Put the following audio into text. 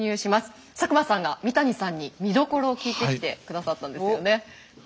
佐久間さんが三谷さんに見どころを聞いてきてくださったんですよね。